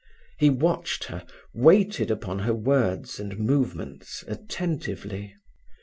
He watched her, waited upon her words and movements attentively.